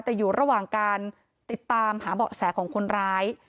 แต่อยู่ระหว่างการติดตามหาเบาะแสของคนร้าย